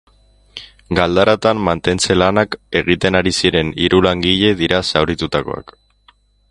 Galdaratan mantentze-lanak egiten ari ziren hiru langile dira zauritutakoak.